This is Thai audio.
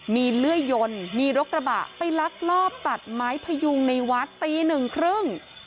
มีเลื่อยยนมีรถกระบะไปลักลอบตัดไม้พยุงในวัดตีหนึ่งครึ่ง